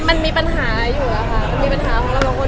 มันมีปัญหาอยู่อะค่ะมันมีปัญหาของเราสองคน